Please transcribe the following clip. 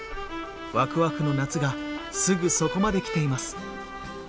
わくわくの夏がすぐそこまで来ています。